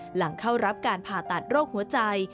หลังเข้ารับการผ่าตัดโรคหัวใจ